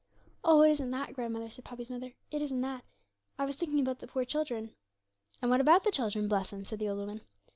'Oh, it isn't that, grandmother,' said Poppy's mother; 'it isn't that. I was thinking about the poor children.' 'And what about the children, bless 'em?' said the old woman.